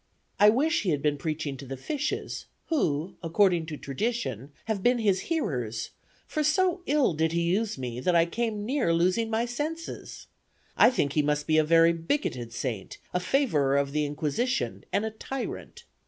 I wish he had been preaching to the fishes, who, according to tradition, have been his hearers; for so ill did he use me, that I came near losing my senses. I think he must be a very bigoted saint, a favorer of the Inquisition, and a tyrant.